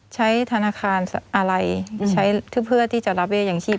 ใช้ธนาคารอะไรใช้เพื่อที่จะรับเบี้ยอย่างชีพ